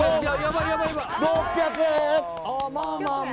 ６００円。